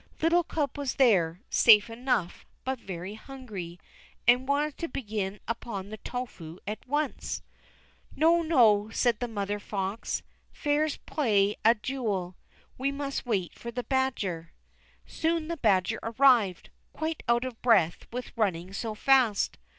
Little Cub was there, safe enough, but very hungry, and wanted to begin upon the tofu at once. Footnote 8: Curd made from white beans. "No, no," said the mother fox. "Fair play's a jewel. We must wait for the badger." Soon the badger arrived, quite out of breath with running so fast.